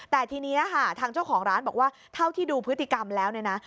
แต่ทีนี้ค่ะทางเจ้าของร้านบอกว่าเท่าที่ดูพฤติกรรมแล้วเนี่ยนะ